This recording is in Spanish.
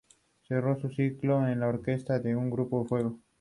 Cerró su ciclo de orquestas en el Grupo Fuego.